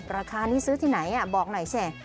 ราคานี้ซื้อที่ไหนบอกหน่อยสิ